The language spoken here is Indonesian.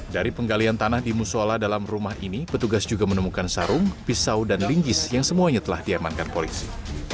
dari penggalian tanah di musola dalam rumah ini petugas juga menemukan sarung pisau dan linggis yang semuanya telah diamankan polisi